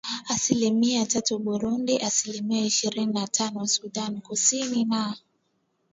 asilimia tatu Burundi asilimiaff ishirini na tano Sudan Kusini na